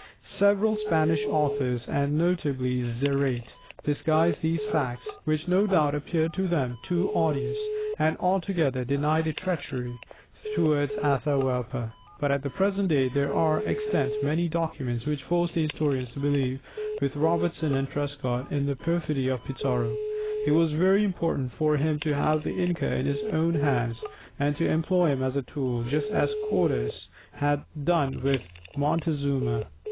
Several Spanish authors, and notably Zarate, disguise these facts, which no doubt appeared to them too odious, and altogether deny the treachery towards Atahualpa. But at the present day there are extant many documents which force the historian to believe, with Robertson and Prescott, in the perfidy of Pizarro. It was very important for him to have the inca in his own hands, and to employ him as a tool, just as Cortès had done with Montezuma.